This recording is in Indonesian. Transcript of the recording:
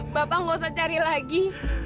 bapak nggak usah cari lagi